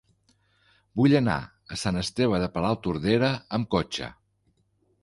Vull anar a Sant Esteve de Palautordera amb cotxe.